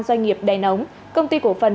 doanh nghiệp đèn ống công ty cổ phần